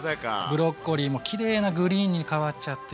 ブロッコリーもきれいなグリーンに変わっちゃって。